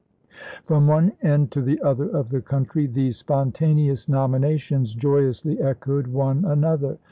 From one end to the other of the country these spontaneous nominations joyously echoed one another.